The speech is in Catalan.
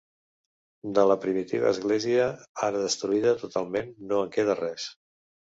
De la primitiva església, ara destruïda totalment, no en queda res.